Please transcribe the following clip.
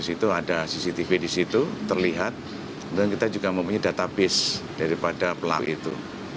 di situ ada cctv di situ terlihat dan kita juga mempunyai database daripada pelang itu